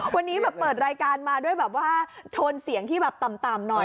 วันนี้แบบเปิดรายการมาด้วยแบบว่าโทนเสียงที่แบบต่ำหน่อย